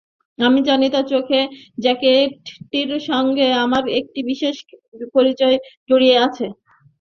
আমি জানি তাঁর চোখে এই জ্যাকেটটির সঙ্গে আমার একটি বিশেষ পরিচয় জড়িত আছে।